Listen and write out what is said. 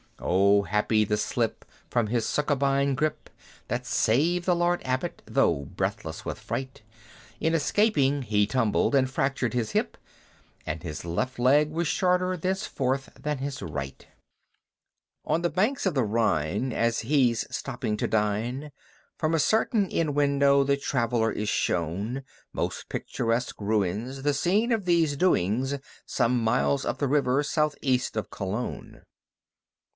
Oh! happy the slip from his Succubine grip, That saved the Lord Abbot, though breathless with fright, In escaping he tumbled, and fractured his hip, And his left leg was shorter thenceforth than his right! On the banks of the Rhine, as he's stopping to dine, From a certain inn window the traveler is shown Most picturesque ruins, the scene of these doings, Some miles up the river south east of Cologne.